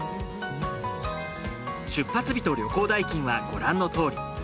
出発日と旅行代金はご覧のとおり。